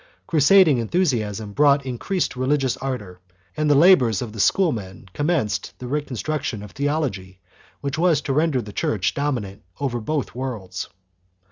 Crusading enthusiasm brought increased religious ardor and the labors of the schoolmen com menced the reconstruction of theology which was to render the Church dominant over both worlds.